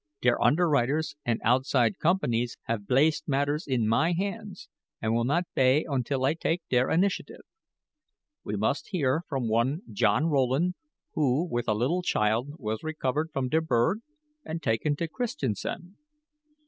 Der underwriters and outside companies have blaced matters in my hands and will not bay until I take der initiative. We must hear from one John Rowland, who, with a little child, was rescued from der berg and taken to Christiansand.